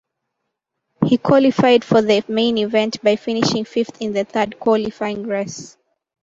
He qualified for the main event by finishing fifth in the third qualifying race.